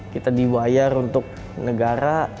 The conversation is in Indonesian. kita dibayar untuk negara